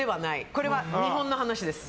これは日本の話です。